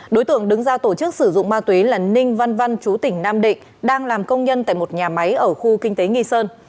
đối tượng đứng ra tổ chức sử dụng ma túy là ninh văn văn chú tỉnh nam định đang làm công nhân tại một nhà máy ở khu kinh tế nghi sơn